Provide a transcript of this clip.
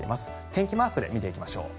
天気マークで見ていきましょう。